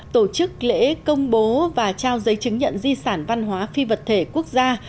tổ chức lễ công bố và trao giấy chứng nhận di sản văn hóa phi vật thể quốc gia